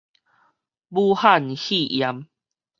武漢肺炎